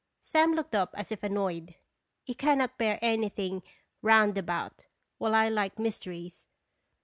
Sam looked up as if annoyed. He cannot bear anything roundabout, while I like mys teries.